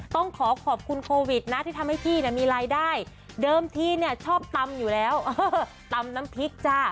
ต้องขอขอบคุณโควิดนะที่ทำให้พี่มีรายได้เดิมทีเนี่ยชอบตำอยู่แล้วตำน้ำพริกจ้ะ